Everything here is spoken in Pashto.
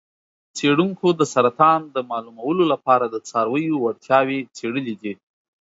څیړونکو د سرطان د معلومولو لپاره د څارویو وړتیاوې څیړلې دي.